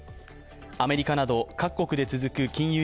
アメリカなど各国で続く金融